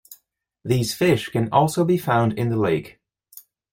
These fish can also be found in the lake.